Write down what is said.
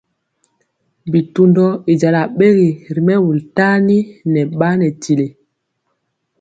Bitundɔ i jala ɓegi ri mɛwul tani nɛ ɓa nɛ tili.